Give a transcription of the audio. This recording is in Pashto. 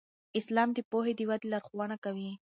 اسلام د پوهې د ودې لارښوونه کوي.